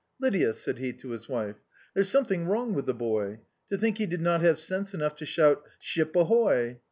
"Lydia," said he to his wife, "there's some thing wrong with the boy; to think he did not have sense enou^ to shout, Ship ahoy."